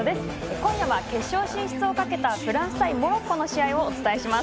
今夜は決勝進出をかけたフランス対モロッコの試合をお伝えします。